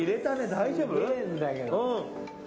大丈夫？